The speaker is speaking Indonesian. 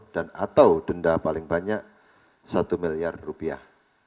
dan atau denda paling banyak satu miliar rupiah